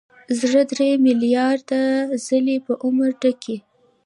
زړه درې ملیارده ځلې په عمر ټکي.